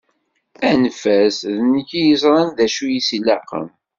Anef-as, d nekk i yeẓran d acu i as-ilaqen.